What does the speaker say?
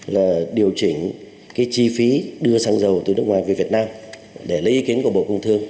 là điều chỉnh cái chi phí đưa xăng dầu từ nước ngoài về việt nam để lấy ý kiến của bộ công thương